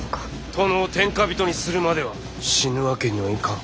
殿を天下人にするまでは死ぬわけにはいかん。